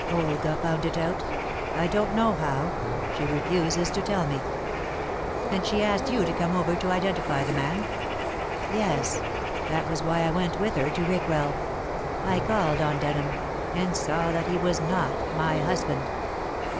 "Olga found it out. I don't know how. She refuses to tell me." "And she asked you to come over to identify the man?" "Yes. That was why I went with her to Rickwell. I called on Denham, and saw that he was not my husband."